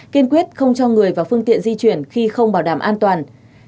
kiên quyết không cho người và phương tiện di chuyển khi không bảo đảm an toàn